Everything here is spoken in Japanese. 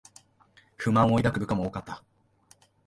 不満を抱く部下も多かった